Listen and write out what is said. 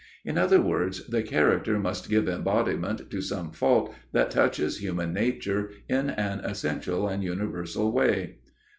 In other words, the character must give embodiment to some fault that touches human nature in an essential and universal way.